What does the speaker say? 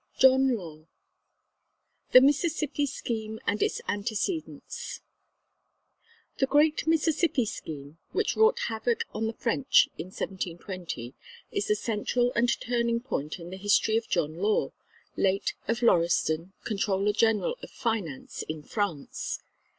JOHN LAW THE MISSISSIPPI SCHEME AND ITS ANTECEDENTS The great "Mississippi Scheme" which wrought havoc on the French in 1720 is the central and turning point in the history of John Law, late of Lauriston, Controller General of Finance in France.